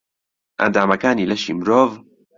ئەندامەکانی لەشی مرۆڤ